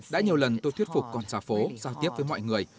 đã nhiều lần tôi thuyết phục con xa phố giao tiếp với mọi người